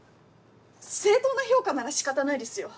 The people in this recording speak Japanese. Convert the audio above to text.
正当な評価なら仕方ないですよ。